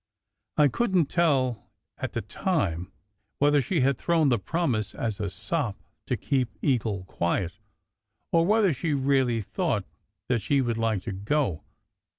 I couldn t tell at the time whether she had thrown the promise as a sop to keep Eagle quiet, or whether she really thought that she would like to go.